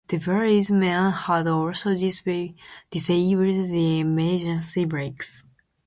Devereau's men had also disabled the emergency brakes.